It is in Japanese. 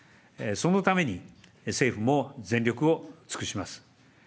そのために、政府も全力を尽くします。